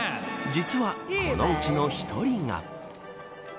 実はこのうちの１人が。